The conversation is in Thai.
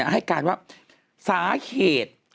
ให้การว่าสาเหตุ